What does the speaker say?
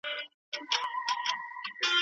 کله یې ګورمه چي توري یې باران پرېولي